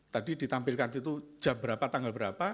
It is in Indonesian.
tadi ditampilkan itu jam berapa tanggal berapa